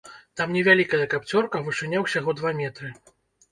Там невялікая капцёрка, вышыня ўсяго два метры.